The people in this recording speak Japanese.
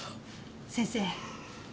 先生。